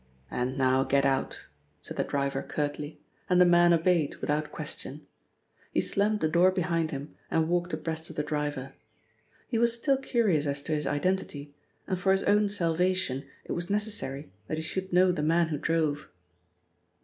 "And now get out," said the driver curtly, and the man obeyed without question. He slammed the door behind him and walked abreast of the driver. He was still curious as to his identity, and for his own salvation it was necessary that he should know the man who drove.